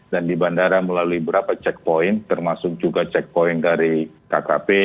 dan di bandara melalui beberapa checkpoint termasuk juga checkpoint dari kkp